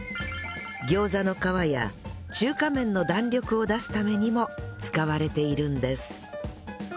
餃子の皮や中華麺の弾力を出すためにも使われているんです